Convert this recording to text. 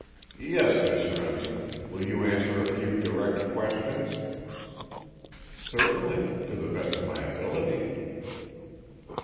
"Yes, Miss Remsen. Will you answer a few direct questions?" "Certainly. To the best of my ability."